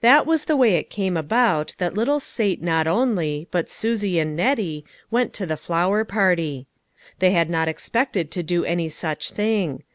was the way it came about that little * Sate not only, but Susie and Nettie, went to the flower party. They had not expected to do any such thing.